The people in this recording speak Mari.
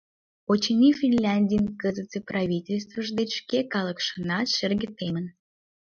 — Очыни, Финляндийын кызытсе правительствыж деч шке калыкшынат шерже темын.